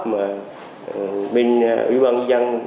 mà bên ủy ban dân